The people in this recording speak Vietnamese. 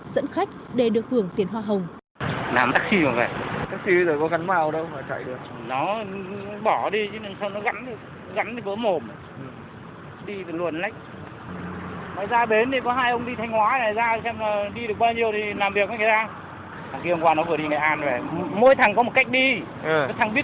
các đối tượng cũng kéo dẫn khách để được hưởng tiền hoa hồng